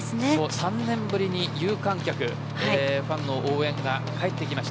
３年ぶりに有観客応援が帰ってきました。